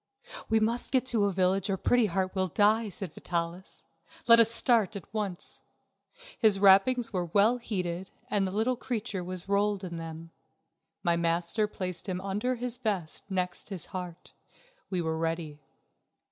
"We must get to a village or Pretty Heart will die," said Vitalis. "Let us start at once." His wrappings were well heated and the little creature was rolled in them. My master placed him under his vest, next his heart. We were ready.